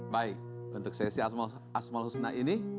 baik untuk sesi asmal husna ini